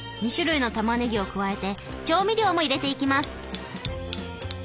２種類のたまねぎを加えて調味料も入れていきます。